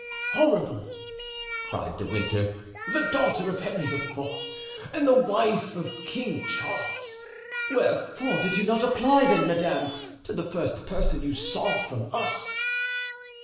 "Horrible!" cried De Winter; "the daughter of Henry IV., and the wife of King Charles! Wherefore did you not apply, then, madame, to the first person you saw from us?"